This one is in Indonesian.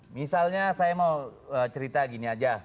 misalnya saya mau cerita gini aja